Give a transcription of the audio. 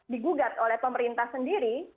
digugat oleh pemerintah sendiri